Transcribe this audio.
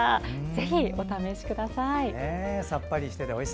ぜひ、お試しください！